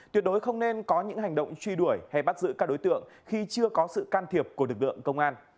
tuyệt đối không nên có những hành động truy đuổi hay bắt giữ các đối tượng khi chưa có sự can thiệp của lực lượng công an